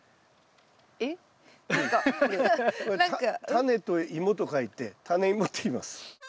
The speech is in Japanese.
タネとイモと書いてタネイモっていいます。